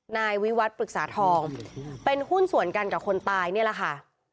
นายวิวัตรปรึกษาทองเป็นหุ้นส่วนกันกับคนตายนี่แหละค่ะ